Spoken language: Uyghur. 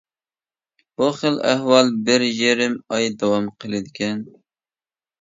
بۇ خىل ئەھۋال بىر يېرىم ئاي داۋام قىلىدىكەن.